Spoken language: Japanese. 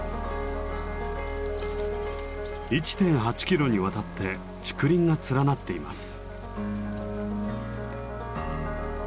１．８キロにわたって竹林が連なっています。